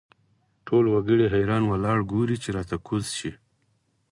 ټول وګړي حیران ولاړ ګوري چې ته را کوز شې.